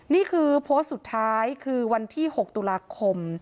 นี่คือโพสต์สุดท้ายคือวันที่๖ตุลาคม